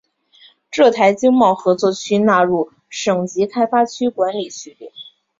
浙台经贸合作区纳入省级开发区管理序列。